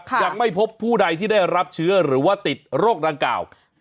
ยังไม่พบผู้ใดที่ได้รับเชื้อหรือว่าติดโรคดังกล่าว